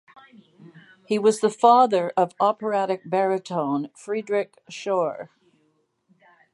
He was the father of operatic baritone Friedrich Schorr.